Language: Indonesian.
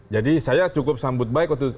jadi saya cukup sambut baik waktu itu